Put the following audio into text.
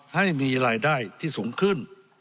ให้มีรายได้ที่สูงขึ้น